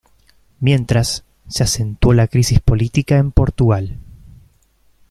Mientras, se acentuó la crisis política en Portugal.